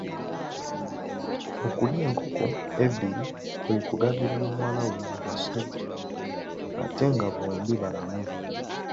Okulya enkoko ebbiri kwe kugabira muwala wo abasajja ate nga bombi balamu.